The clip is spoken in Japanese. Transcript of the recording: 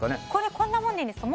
こんなもんでいいんですか。